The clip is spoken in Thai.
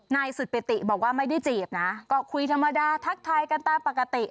นายสุดปิติบอกว่าไม่ได้จีบนะก็คุยธรรมดาทักทายกันตามปกติ